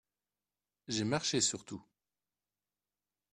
J’ai marché sur tout !